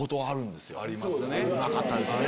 うまかったですね。